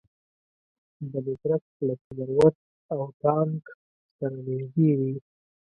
بنو کرک لکي مروت او ټانک سره نژدې دي